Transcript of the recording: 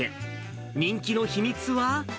人気の秘密は。